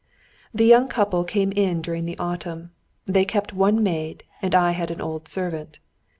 ] The young couple came in during the autumn; they kept one maid, and I had an old servant.